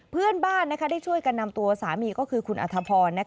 เพื่อนบ้านได้ช่วยกันนำตัวสามีก็คือคุณอัธพร